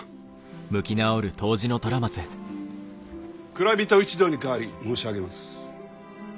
蔵人一同に代わり申し上げます。